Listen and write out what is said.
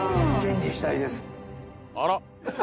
あら